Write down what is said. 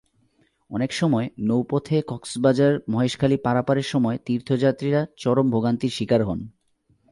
অনেক সময় নৌপথে কক্সবাজার-মহেশখালী পারাপারের সময় তীর্থযাত্রীরা চরম ভোগান্তির শিকার হন।